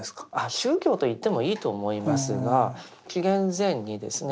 宗教といってもいいと思いますが紀元前にですね